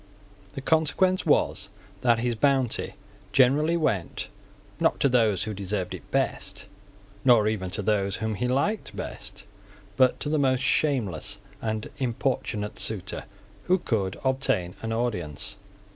The consequence was that his bounty generally went, not to those who deserved it best, nor even to those whom he liked best, but to the most shameless and importunate suitor who could obtain an audience.